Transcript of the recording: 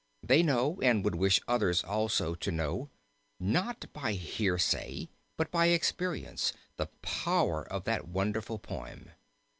They know, and would wish others also to know, not by hearsay, but by experience, the power of that wonderful poem.